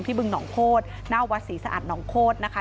บึงหนองโคตรหน้าวัดศรีสะอาดหนองโคตรนะคะ